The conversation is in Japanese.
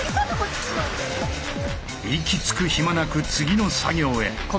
息つく暇なく次の作業へ。